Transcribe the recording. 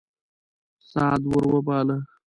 سعد ور وباله.